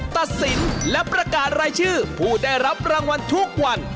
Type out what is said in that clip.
ตัดสินและประกาศรายชื่อผู้ได้รับรางวัลทุกวัน